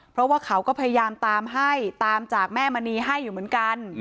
เพราะว่าเขาก็พยายามตามให้ตามจากแม่มณีให้อยู่เหมือนกัน